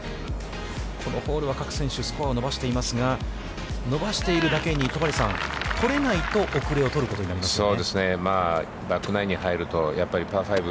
このホールは各選手、スコアを伸ばしていますが、伸ばしているだけに、戸張さん、取れないと、おくれを取ることになりますね。